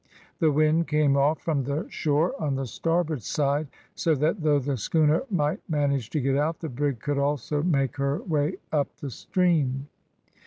The wind came off from the shore on the starboard side, so that though the schooner might manage to get out, the brig could also make her way up the stream.